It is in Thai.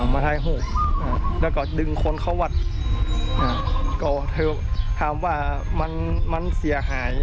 มาทายหกแล้วก็ดึงคนเข้าวัดก็เธอถามว่ามันมันเสียหาย